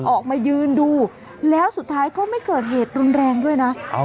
ออกมายืนดูแล้วสุดท้ายก็ไม่เกิดเหตุรุนแรงด้วยนะ